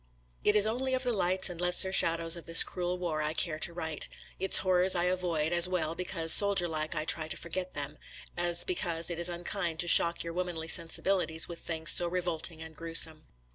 «♦♦ It is only of the lights and lesser shadows of this cruel war I care to write; its horrors I avoid, as well because, soldier like, I try to for get them, as because it is unkind to shock your womanly sensibilities with things so revolting and gruesome.